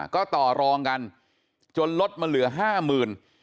ก็ต่อรองกันจนลดมาเหลือ๕๐๐๐๐บาท